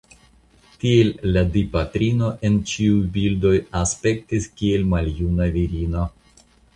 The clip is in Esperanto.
Tiel la Dipatrino en ĉiuj bildoj aspektis kiel maljuna virino.